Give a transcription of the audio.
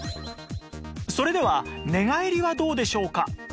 それでは寝返りはどうでしょうか？